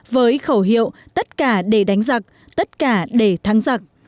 với khẩu hiệu tất cả để đánh giặc tất cả để thắng giặc